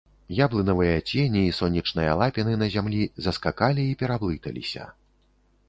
Яблынавыя цені і сонечныя лапіны на зямлі заскакалі і пераблыталіся.